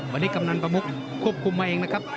วันนี้กำนันประมุกควบคุมมาเองนะครับ